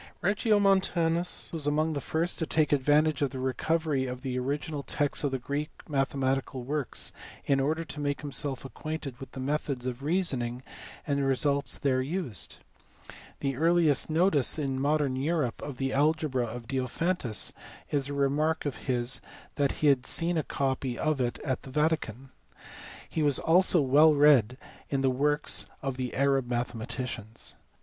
Regiomontanus was among the first to take advantage of the recovery of the original texts of the Greek mathematical works in order to make himself acquainted with the methods of reasoning and results there used ; the earliest notice in modern Europe of the algebra of Diophantus is a remark of his that he had seen a copy of it at the Vatican. He was also well read in the works of the Arab mathematicians.